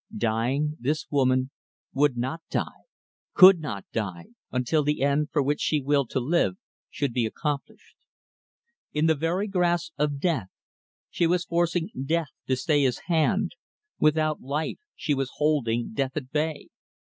Dying, this woman would not die could not die until the end for which she willed to live should be accomplished. In the very grasp of Death, she was forcing Death to stay his hand without life, she was holding Death at bay.